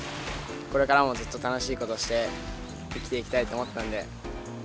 これからもずっと楽しい事して生きていきたいと思ったんで。